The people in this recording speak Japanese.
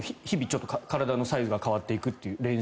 日々、体のサイズが変わっていくって。